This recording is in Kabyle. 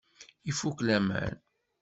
Ifukk laman!